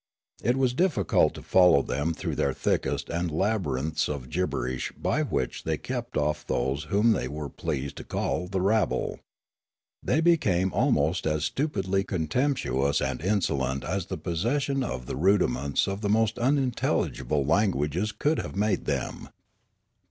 It was difficult to follow them through th^r thickets and labyrinths of gibberish by which they kept off those whom they were pleased to call the rabble. They became almost as stupidly contemptuous and insolent as the possession of the rudiments of the most unintelligible languages could have made them.